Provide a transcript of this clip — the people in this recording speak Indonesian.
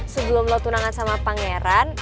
sebelum lewat tunangan sama pangeran